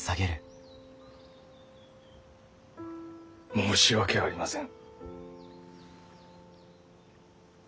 申し訳ありません。